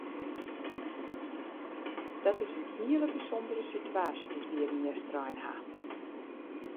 Dat is in hele bysûndere situaasje dy't we hjir yn Easterein ha.